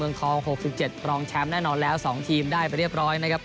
ทอง๖๗รองแชมป์แน่นอนแล้ว๒ทีมได้ไปเรียบร้อยนะครับ